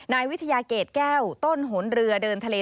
นายวิทยาเกรดแก้วต้นหนเรือเดินทะเล